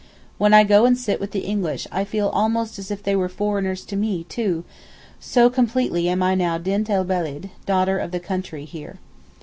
When I go and sit with the English I feel almost as if they were foreigners to me too, so completely am I now Dint el Beled (daughter of the country) here.